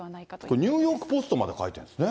これ、ニューヨーク・ポストまで書いてるんですね。